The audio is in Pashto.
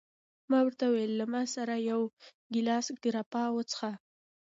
ما ورته وویل: له ما سره یو ګیلاس ګراپا وڅښه.